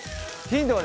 ヒントは？